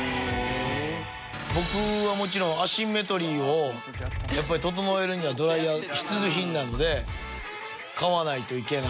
僕はもちろんアシンメトリーをやっぱり整えるにはドライヤー必需品なので買わないといけない。